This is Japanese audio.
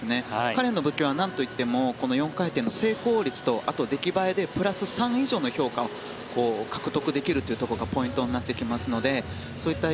彼の武器はなんといっても４回転の成功率とあと、出来栄えでプラス３以上の評価を獲得できるというところがポイントになってきますのでそういった